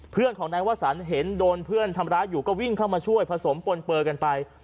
เพื่อนของนายวสันเห็นโดนเพื่อนทำร้ายอยู่ก็วิ่งเข้ามาช่วยผสมปนเปลือกันไป